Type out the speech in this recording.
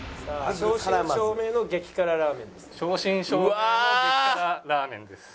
正真正銘の激辛ラーメンです。